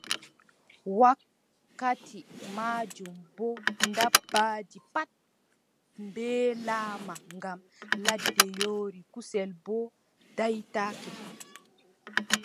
Wakkati maajum boo, dabbaaji pat mbeelaama ngam ladde yoori, kusel boo daaytake.